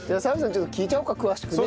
ちょっと聞いちゃおうか詳しくね。